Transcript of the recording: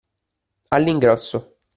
All’ingrosso